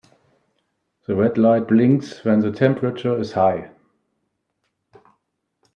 The red light blinks when the temperature is high.